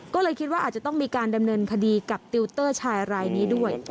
ก็เลยคิดว่าอาจจะต้องมีการดำเนินคดีกับติวเตอร์ชายรายนี้ด้วย